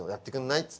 っつって。